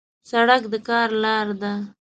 سړک د کار لار ده.